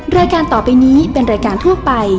รายการต่อไปนี้เป็นรายการทั่วไป